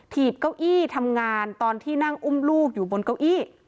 ีบเก้าอี้ทำงานตอนที่นั่งอุ้มลูกอยู่บนเก้าอี้